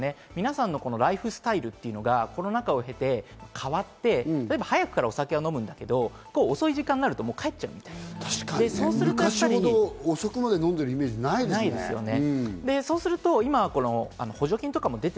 みなさんのライフスタイルっていうのはコロナ禍を経て変わって、早くからお酒を飲むんだけど、遅い時間になると帰っちゃうみた昔ほど遅くまで飲んでるイメージないね。